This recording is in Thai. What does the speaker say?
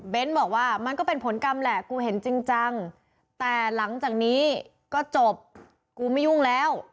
บอกว่ามันก็เป็นผลกรรมแหละกูเห็นจริงจังแต่หลังจากนี้ก็จบกูไม่ยุ่งแล้ว